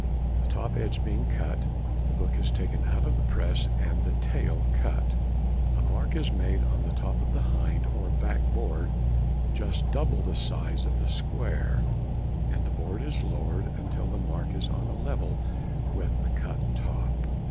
The top edge being cut, the book is taken out of the press and the tail cut. A mark is made on the top of the hind or back board just double the size of the square, and the board is lowered until the mark is on a level with the cut top.